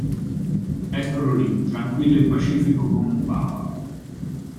Eccolo lì, tranquillo e pacifico come un papa!